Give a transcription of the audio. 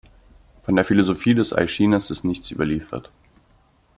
Von der Philosophie des Aischines ist nichts überliefert.